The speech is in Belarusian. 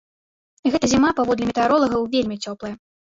Гэта зіма, паводле метэаролагаў, вельмі цёплая.